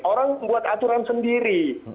orang buat aturan sendiri